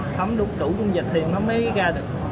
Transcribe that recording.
thấm đúng chủ dung dịch thì nó mới ra được